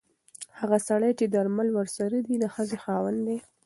هغه سړی چې درمل ورسره دي د ښځې خاوند دی.